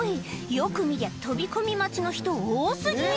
よく見りゃ飛び込み待ちの人多過ぎ